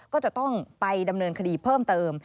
ก็จะต้องไปดำเนินคดีเพิ่มเติม